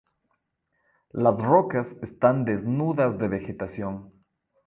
Las rocas están desnudas de vegetación.